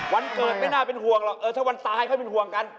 วันเกิดไม่น่าเป็นห่วงหรอกเออถ้าวันตายค่อยเป็นห่วงกัน